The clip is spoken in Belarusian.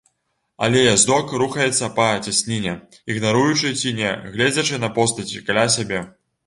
Але яздок рухаецца па цясніне ігнаруючы ці не гледзячы на постаці каля сябе.